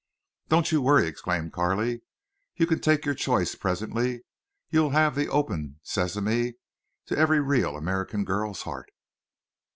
"Don't you worry!" exclaimed Carley. "You can take your choice presently. You have the open sesame to every real American girl's heart."